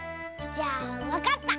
じゃあわかった！